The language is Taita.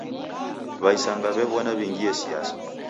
W'aisanga w'ew'ona w'ingie siasa.